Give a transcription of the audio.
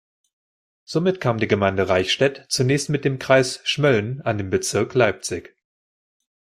Somit kam die Gemeinde Reichstädt zunächst mit dem Kreis Schmölln an den Bezirk Leipzig.